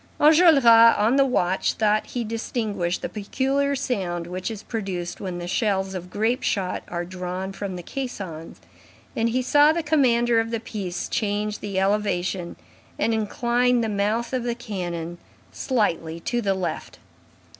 Enjolras, on the watch, thought he distinguished the peculiar sound which is produced when the shells of grape shot are drawn from the caissons, and he saw the commander of the piece change the elevation and incline the mouth of the cannon slightly to the left.